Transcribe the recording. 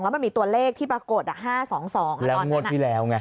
แล้วมันมีตัวเลขที่ปรากฏอ่ะห้าสองสองแล้วงดที่แล้วไง